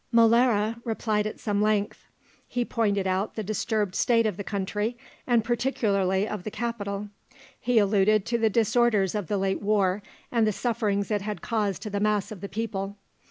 Molara replied at some length. He pointed out the disturbed state of the country, and particularly of the capital; he alluded to the disorders of the late war and the sufferings it had caused to the mass of the people.